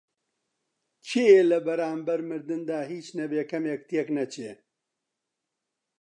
کێیە لە بەرانبەر مردندا هیچ نەبێ کەمێک تێک نەچێ؟